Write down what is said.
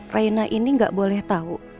raina ini gak boleh tahu